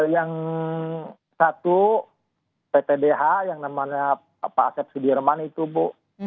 yang satu ptdh yang namanya pak asep sudirman itu bu